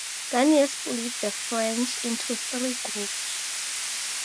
Garnier split the French into three groups.